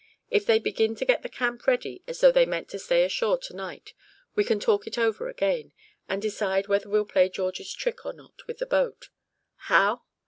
If they begin to get the camp ready as though they meant to stay ashore tonight, we can talk it over again, and decide whether we'll play George's trick or not with the boat. How?"